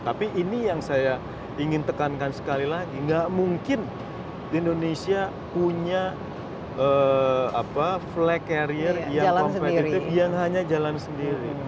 tapi ini yang saya ingin tekankan sekali lagi nggak mungkin indonesia punya flag carrier yang kompetitif yang hanya jalan sendiri